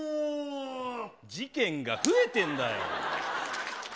事件が増えてんだよ。